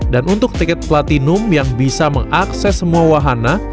dan untuk tiket platinum yang bisa mengakses semua wahana